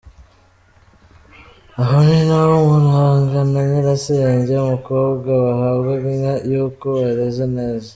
Aho ni naho Umuranga na Nyirasenge w’umukobwa bahabwaga inka yuko bareze neza .